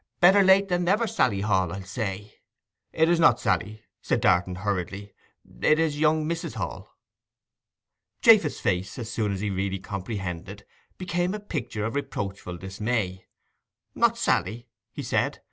"Better late than never, Sally Hall," I'll say.' 'It is not Sally,' said Darton hurriedly. 'It is young Mrs. Hall.' Japheth's face, as soon as he really comprehended, became a picture of reproachful dismay. 'Not Sally?' he said.